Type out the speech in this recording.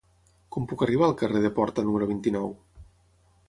Com puc arribar al carrer de Porta número vint-i-nou?